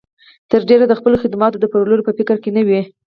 تر ډېره د خپلو خدماتو د پلور په فکر کې نه وي.